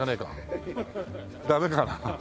ダメかな？